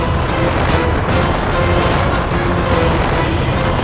aku akan mencari dia